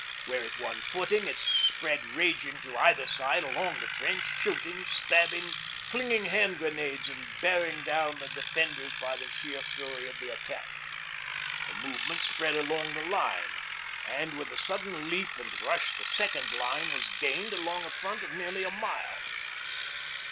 Where it won footing it spread raging to either side along the trench, shooting, stabbing, flinging hand grenades and bearing down the defenders by the sheer fury of the attack. The movement spread along the line, and with a sudden leap and rush the second line was gained along a front of nearly a mile.